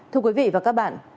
thưa quý vị và các bạn